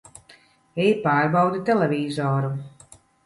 Ej pārbaudi televizoru!